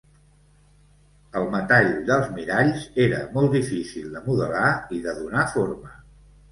El metall dels miralls era molt difícil de modelar i de donar forma.